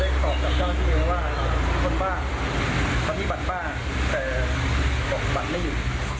แล้วต่อได้ตอบกับเจ้าที่มีว่ามีคนบ้างมีบัตรบ้างแต่บัตรไม่อยู่